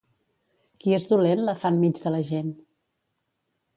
Qui és dolent la fa enmig de la gent.